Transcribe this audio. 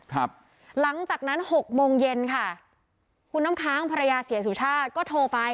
หลังจากนั้นหกโมงเย็นค่ะคุณน้ำค้างภรรยาเสียสุชาติก็โทรไป